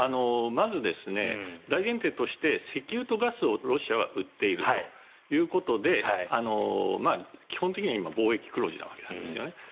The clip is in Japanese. まず、大前提として石油とガスをロシアは売っているということで基本的には今、貿易黒字なわけですね。